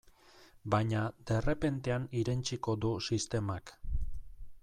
Baina derrepentean irentsiko du sistemak.